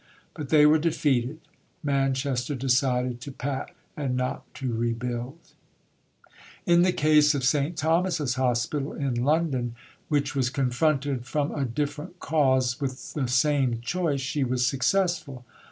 But they were defeated. Manchester decided to patch and not to rebuild. In the case of St. Thomas's Hospital in London, which was confronted from a different cause with the same choice, she was successful.